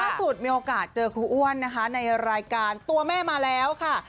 มีโอกาสเจอครูอ้วนนะคะในรายการตัวแม่มาแล้วค่ะ